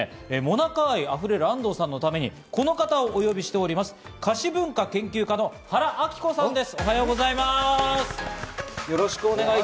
進化もしてるということですけど、今日はもなか愛あふれる安藤さんのために、この方をお呼びしております、菓子文化研究家の原亜樹子さんです。